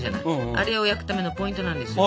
あれを焼くためのポイントなんですよ。